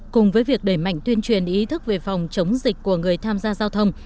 cùng với việc đẩy mạnh tuyên truyền ý thức về phòng chống dịch của người tham gia giao thông